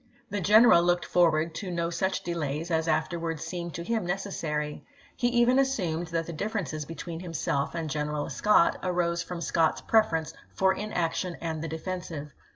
The general looked forward to no such THE AKMY OF THE POTOMAC 453 delays as afterwards seemed to him necessary. He ch. xxv. even assumed that the differences between himself and General Scott arose from Scott's preference lan^e own " for inaction and the defensive."